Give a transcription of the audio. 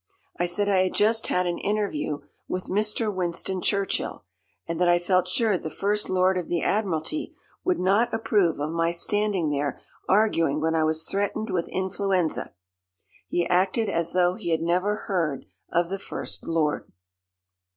I said I had just had an interview with Mr. Winston Churchill, and that I felt sure the First Lord of the Admiralty would not approve of my standing there arguing when I was threatened with influenza. He acted as though he had never heard of the First Lord.